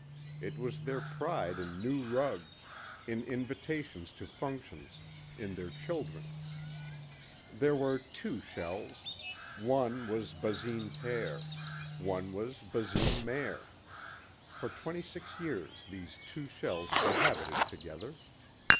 It was their pride in new rugs, in invitations to functions, in their children. There were two shells. One was Basine père. One was Basine mère. For twenty six years these two shells cohabited together.